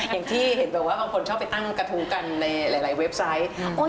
อย่างที่เห็นแบบว่าบางคนชอบไปตั้งกระทู้กันในหลายเว็บไซต์